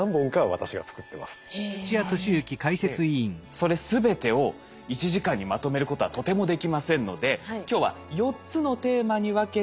それ全てを１時間にまとめることはとてもできませんので今日は４つのテーマに分けてお伝えしていこうと思います。